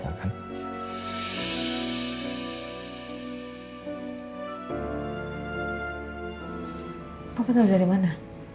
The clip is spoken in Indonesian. apa apa dari mana